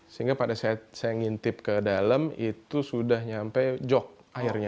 sehingga pada saat saya ngintip ke dalam itu sudah nyampe jok airnya